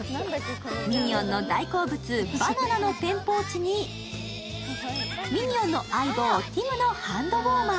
ミニオンの大好物・バナナのペンポーチに、ミニオンの相棒・ティムのハンドウォーマー。